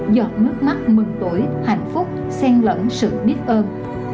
giọt nước mắt mừng tuổi hạnh phúc sen lẫn sự biết ơn